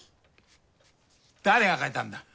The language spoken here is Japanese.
誰が書いたんだ？